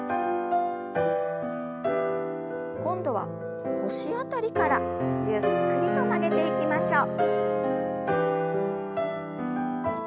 今度は腰辺りからゆっくりと曲げていきましょう。